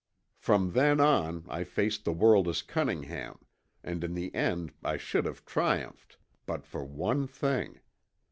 "From then on I faced the world as Cunningham, and in the end I should have triumphed but for one thing.